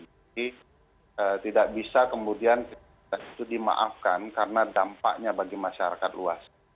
jadi tidak bisa kemudian itu dimaafkan karena dampaknya bagi masyarakat luas